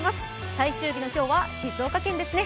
最終日の今日は静岡県ですね。